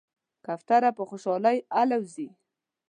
کوتره په خوشحالۍ الوزي.